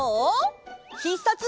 ひっさつ！